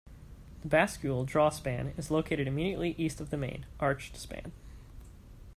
The bascule draw span is located immediately east of the main, arched span.